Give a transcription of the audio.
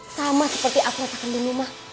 sama seperti aku rasakan di rumah